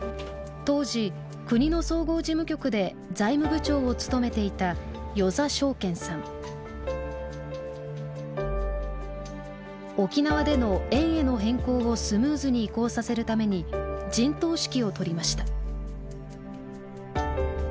当時国の総合事務局で財務部長を務めていた沖縄での円への変更をスムーズに移行させるために陣頭指揮を執りました。